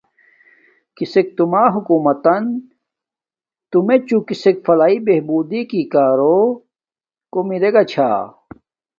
کسک توما حکومتتن تو میچوں کسک فلاح بہبوری کارو کوم ارے گا چھاہ۔